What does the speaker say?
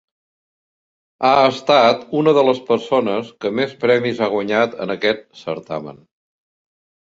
Ha estat una de les persones que més premis ha guanyat en aquest certamen.